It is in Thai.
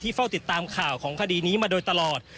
เฝ้าติดตามข่าวของคดีนี้มาโดยตลอด